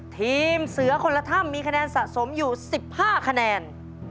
ทีมเสือคนละถ้ำมีคะแนนสะสมอยู่๑๕คะแนน